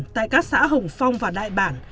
tại các xã hồng phong và đại bản